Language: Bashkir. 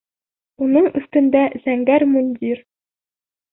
Уның өҫтөндә зәңгәр мундир.